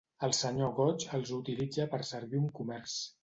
El senyor Gutch els utilitza per servir un comerç.